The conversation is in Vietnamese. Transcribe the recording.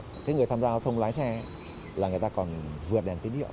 thế những người tham gia giao thông lái xe là người ta còn vượt đèn kín hiệu